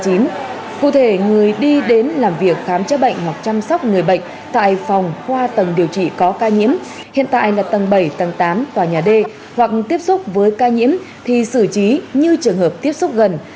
cụ thể người đi đến làm việc khám chữa bệnh hoặc chăm sóc người bệnh tại phòng khoa tầng điều trị có ca nhiễm hiện tại là tầng bảy tầng tám tòa nhà d hoặc tiếp xúc với ca nhiễm thì xử trí như trường hợp tiếp xúc gần